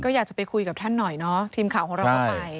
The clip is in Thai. อยากจะไปคุยกับท่านหน่อยเนาะทีมข่าวของเราก็ไป